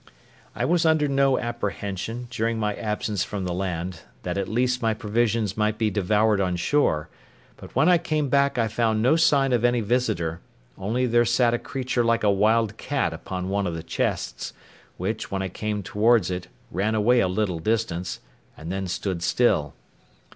I was under some apprehension, during my absence from the land, that at least my provisions might be devoured on shore: but when I came back I found no sign of any visitor; only there sat a creature like a wild cat upon one of the chests, which, when I came towards it, ran away a little distance, and then stood still.